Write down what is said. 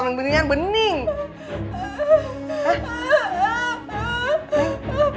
hari kita ketemu lagi musim